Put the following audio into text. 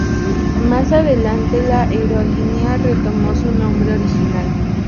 Más adelante la aerolínea retomó su nombre original.